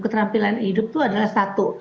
keterampilan hidup itu adalah satu